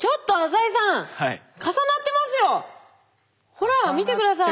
ほら見て下さい。